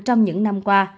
trong những năm qua